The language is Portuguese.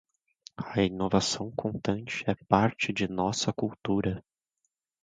A inovação constante é parte de nossa cultura.